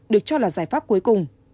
được cho là giải pháp cuối cùng